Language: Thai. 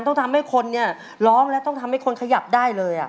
ต้องทำให้คนเนี่ยร้องแล้วต้องทำให้คนขยับได้เลย